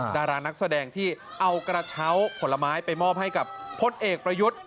ดารานักแสดงที่เอากระเช้าผลไม้ไปมอบให้กับพลเอกประยุทธ์